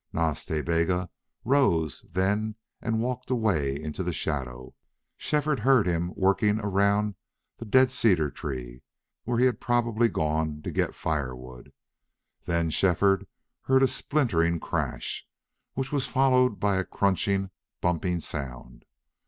Nas Ta Bega rose then and walked away into the shadow. Shefford heard him working around the dead cedar tree, where he had probably gone to get fire wood. Then Shefford heard a splintering crash, which was followed by a crunching, bumping sound.